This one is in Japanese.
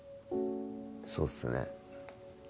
そうっすね。